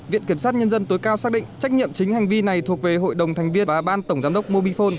viện kiểm sát nhân dân tối cao xác định trách nhiệm chính hành vi này thuộc về hội đồng thành viên và ban tổng giám đốc mobifone